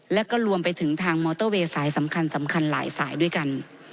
แล้วก็รวมไปถึงทางมอเตอร์เวย์สายสำคัญสำคัญหลายสายด้วยกัน